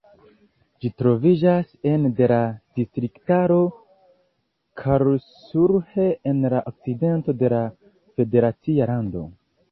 Ĝi troviĝas ene de la distriktaro Karlsruhe, en la okcidento de la federacia lando.